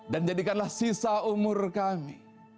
dan jadikanlah sisa umur kami